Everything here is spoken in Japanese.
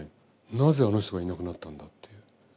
なぜあの人がいなくなったんだという。